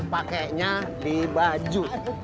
pakenya di baju